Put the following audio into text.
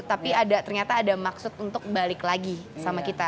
tapi ternyata ada maksud untuk balik lagi sama kita